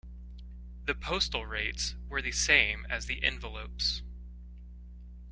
The postal rates were the same as the envelopes.